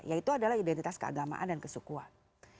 yaitu adalah identitas keagamaan dan kesukuan